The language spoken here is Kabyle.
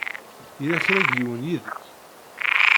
Yella kra n yiwen yid-k?